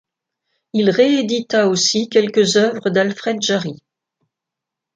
Il réédita aussi quelques œuvres d'Alfred Jarry.